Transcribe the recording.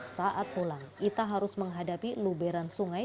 saat pulang ita harus menghadapi luberan sungai